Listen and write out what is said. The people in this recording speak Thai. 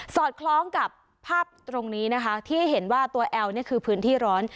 อดคล้องกับภาพตรงนี้นะคะที่ให้เห็นว่าตัวแอลเนี่ยคือพื้นที่ร้อน